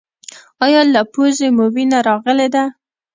ایا له پوزې مو وینه راغلې ده؟